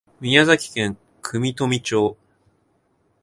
宮崎県国富町